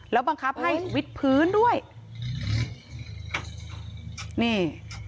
แล้วบังคับให้วิทพื้นด้วยนี่